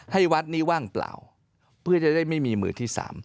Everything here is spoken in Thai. ให้วัดนี้ว่างเปล่าเพื่อจะได้ไม่มีมือที่๓